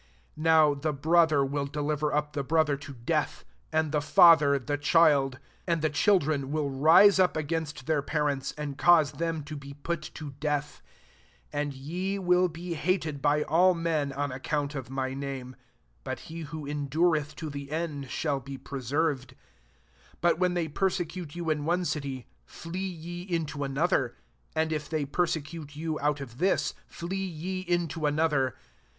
21 Now the brother will deliver up the brother to death, and the father the child ; and the children will rise up against t/t€ir parents, and cause them to be put to death. 22 And ye will be hated by all men on ac count of my name : but he who endureth to the end, shall be preserved. 23 But when they persecute you in one city, flee ye into another ; and if they persecute you out of this, flee ye into another.